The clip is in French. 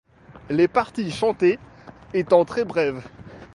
Les parties chantées étant très brèves.